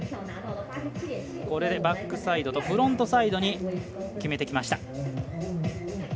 これでバックサイドとフロントサイドに決めてきました。